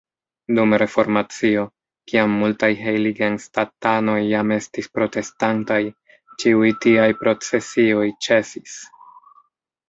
Dum Reformacio, kiam multaj heiligenstadt-anoj jam estis protestantaj, ĉiuj tiaj procesioj ĉesis.